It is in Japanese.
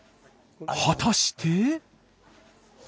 果たして。